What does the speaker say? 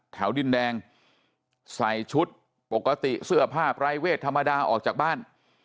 ดินแดงใส่ชุดปกติเสื้อผ้าปรายเวทธรรมดาออกจากบ้าน